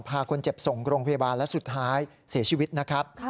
พาคนเจ็บส่งโรงพยาบาลและสุดท้ายเสียชีวิตนะครับ